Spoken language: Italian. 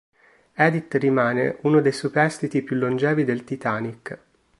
Edith rimane uno dei superstiti più longevi del "Titanic".